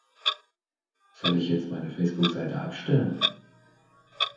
Soll ich jetzt meine Facebookseite abstellen?